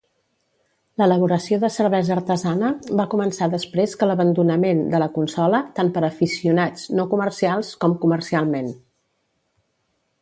L'elaboració de cervesa artesana va començar després que l'abandonament de la consola, tant per aficionats no comercials com comercialment.